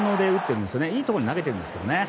いいところに投げているんですけどね。